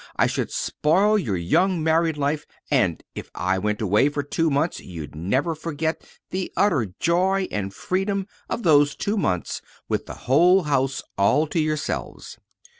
I should spoil your young married life; and if I went away for two months you'd never forget the utter joy and freedom of those two months with the whole house ali to yourselves."